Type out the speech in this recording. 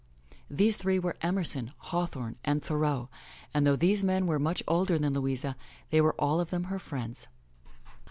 These three were Emerson, Hawthorne and Thoreau, and though these men were much older than Louisa, they were all of them her friends.